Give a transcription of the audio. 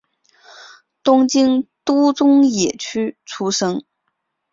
东京都中野区出生。